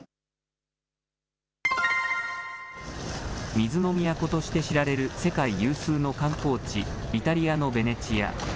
水の都として知られる世界有数の観光地、イタリアのベネチア。